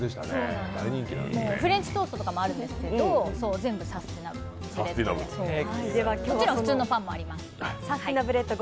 フレンチトーストとかもあるんですけど全部、サステイナブルで。